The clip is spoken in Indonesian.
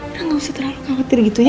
udah gak usah terlalu khawatir gitu ya